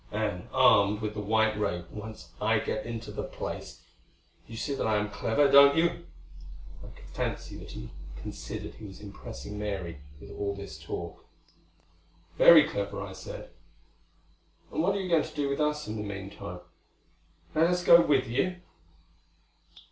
And, armed with the white ray, once I get into the place You see that I am clever, don't you?" I could fancy that he considered he was impressing Mary with all this talk. "Very clever," I said. "And what are you going to do with us in the meantime? Let us go with you."